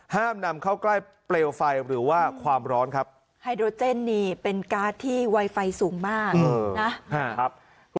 ห้ามนำเข้าใกล้เปลวไฟหรือว่าความร้อนครับไฮโดรเจนนี่เป็นการ์ดที่ไวไฟสูงมากนะครับ